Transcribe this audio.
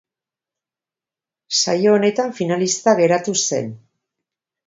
Saio honetan finalista geratu zen.